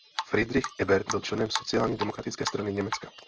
Friedrich Ebert byl členem Sociálně demokratické strany Německa.